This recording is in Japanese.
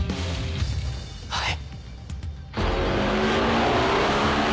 はい！